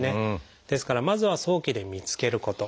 ですからまずは早期で見つけること。